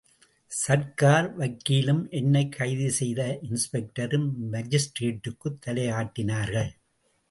சர்க்கார் வக்கீலும் என்னைக் கைதுசெய்த இன்ஸ்பெக்டரும் மாஜிஸ்ட்ரேட்டுக்குத் தலையாட்டினார்கள்.